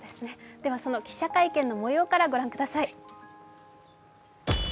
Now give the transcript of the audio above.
その記者会見の模様から御覧ください。